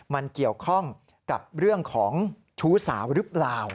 มันเกี่ยวข้องกับเรื่องของชู้สาวหรือเปล่า